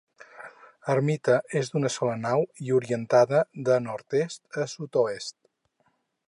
Ermita és d'una sola nau i orientada de nord-est a sud-oest.